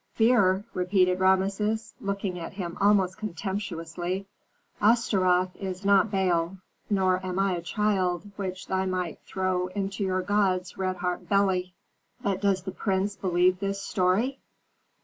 "Fear?" repeated Rameses, looking at him almost contemptuously. "Astaroth is not Baal, nor am I a child which they might throw into your god's red hot belly." "But does the prince believe this story?"